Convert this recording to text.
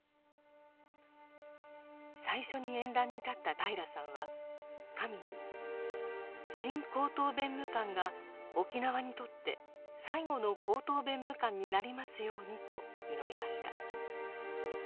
最初に演壇に立った平良さんは神に「新高等弁務官が沖縄にとって最後の高等弁務官になりますように」と祈りました。